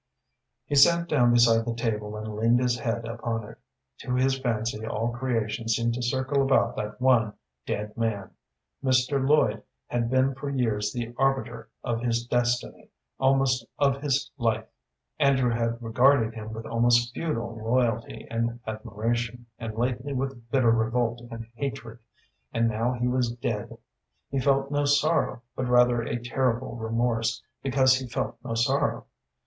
He sat down beside the table and leaned his head upon it. To his fancy all creation seemed to circle about that one dead man. Mr. Lloyd had been for years the arbiter of his destiny, almost of his life. Andrew had regarded him with almost feudal loyalty and admiration, and lately with bitter revolt and hatred, and now he was dead. He felt no sorrow, but rather a terrible remorse because he felt no sorrow.